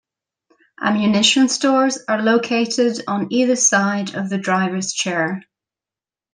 Ammunition stores are located on either side of the driver's chair.